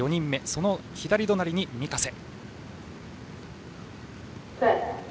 その左隣に御家瀬。